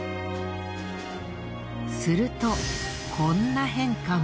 するとこんな変化も。